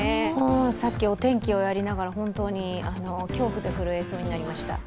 さっきお天気をやりながら、本当に恐怖で震えそうになりました。